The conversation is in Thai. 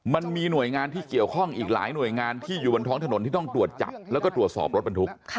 มันมีหน่วยงานที่เกี่ยวข้องอีกหลายหน่วยงานที่อยู่บนท้องถนนที่ต้องตรวจจับแล้วก็ตรวจสอบรถบรรทุก